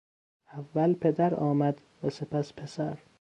اول پدر آمد و سپس پسر.